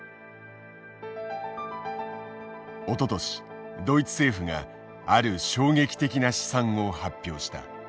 おととしドイツ政府がある衝撃的な試算を発表した。